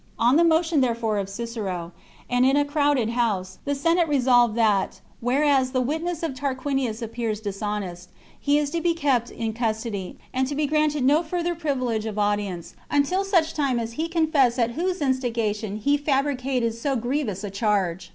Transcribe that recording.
On the motion therefore of Cicero, and in a crowded house, the Senate resolved that, "Whereas the witness of Tarquinius appears dishonest, he is to be kept in custody, and to be granted no further privi lege of audience until such time as he confess at whose instigation he fabricated so grievous a charge."